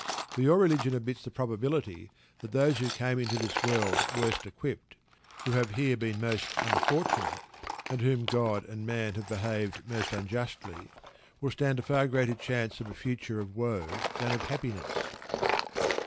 For your religion admits the probability that those who came into this world worst equipped, who have here been most unfortunate, and to whom God and man have behaved most unjustly, will stand a far greater chance of a future of woe than of happiness.